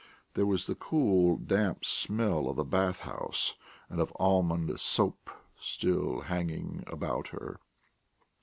There was the cool damp smell of the bath house and of almond soap still hanging about her.